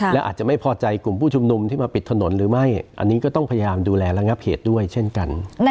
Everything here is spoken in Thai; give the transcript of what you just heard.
และอาจจะไม่พอใจกลุ่มผู้ชุมนุมที่มาปิดถนนหรือไม่อันนี้ก็ต้องพยายามดูแลระงับเหตุด้วยเช่นกัน